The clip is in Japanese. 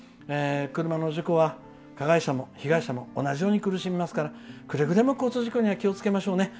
車の事故は加害者も被害者も同じように苦しみますからくれぐれも交通事故には気をつけましょうね。